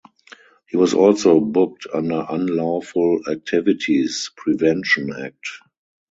He was also booked under Unlawful Activities (Prevention) Act.